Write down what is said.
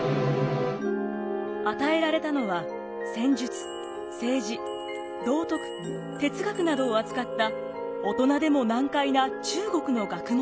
与えられたのは戦術政治道徳哲学などを扱った大人でも難解な中国の学問書。